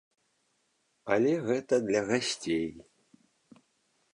Але гэта для гасцей.